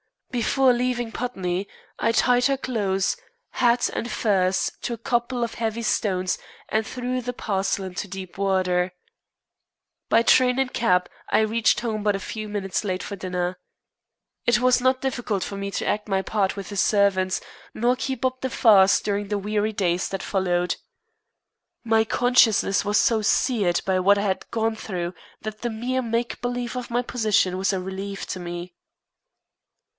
Before leaving Putney I tied her clothes, hat, and furs to a couple of heavy stones and threw the parcel into deep water. By train and cab I reached home but a few minutes late for dinner. It was not difficult for me to act my part with the servants, nor keep up the farce during the weary days that followed. My consciousness was so seared by what I had gone through that the mere make believe of my position was a relief to me.